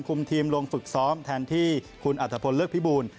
ทีมลงฝึกซ้อมแทนที่คุณอัตภพลเลิกพิบูล